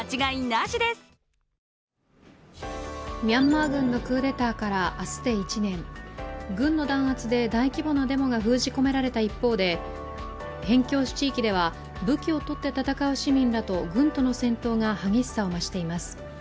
ミャンマー軍のクーデターから明日で１年、軍の弾圧で大規模なデモが封じ込められた一方で辺境地域では武器を取って戦う市民らと軍との戦闘が激しさを増しています。